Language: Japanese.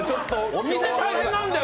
お店、大事なんだよ！